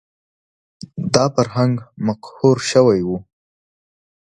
دا فرهنګ مقهور شوی و